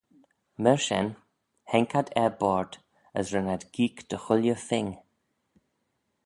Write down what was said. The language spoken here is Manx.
Myr shen haink ad er boayrd as ren eh geeck dy chooilley phing.